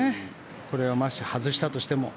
これをもし外したとしても。